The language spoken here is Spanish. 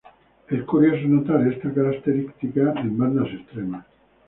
Es curioso notar esta característica en bandas extremas.